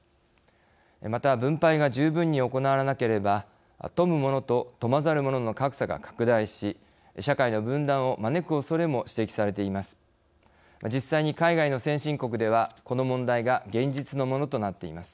また分配が十分に行われなければ富むものと富まざる者の格差が拡大し社会の分断を招くおそれも指摘されています。